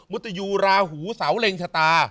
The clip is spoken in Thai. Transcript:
ุตยูราหูเสาเล็งชะตา